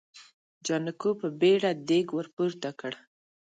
جانکو په بيړه دېګ ور پورته کړ.